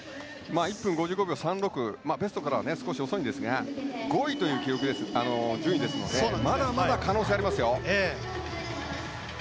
１分５５秒３６はベストからは少し遅いんですが５位という順位なのでまだまだ可能性はありますよ。